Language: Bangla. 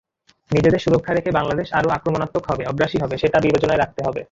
নিজেদের সুরক্ষা রেখে বাংলাদেশ আরও আক্রমণাত্মক হবে, আগ্রাসী হবে—সেটা বিবেচনায় রাখতে হবে।